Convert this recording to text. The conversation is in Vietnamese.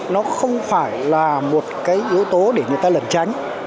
nó không phải là một cái yếu tố để người ta lần chạy